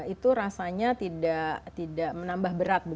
itu rasanya tidak menambah berat